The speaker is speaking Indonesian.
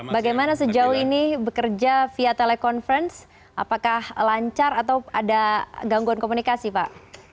bagaimana sejauh ini bekerja via telekonferensi apakah lancar atau ada gangguan komunikasi pak